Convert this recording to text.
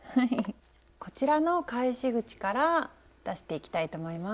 こちらの返し口から出していきたいと思います。